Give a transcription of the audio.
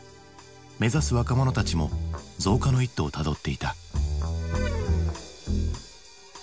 目指す若者たちも増加の一途をたどっていた。